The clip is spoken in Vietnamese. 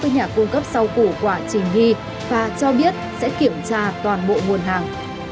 với nhà cung cấp rau củ của trình nhi và cho biết sẽ kiểm tra toàn bộ nguồn hàng